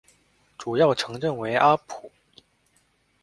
主要城镇为阿普。